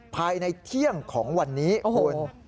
ภายในเที่ยงของวันนี้คุณ